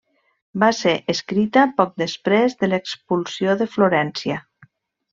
Va ser escrita poc després de l'expulsió de Florència.